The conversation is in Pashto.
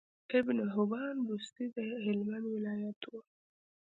ابن حبان بستي د هلمند ولايت وو